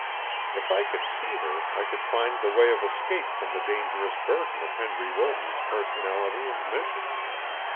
If I could see her I could find the way of escape from the dangerous burden of Henry Wilton's personality and mission.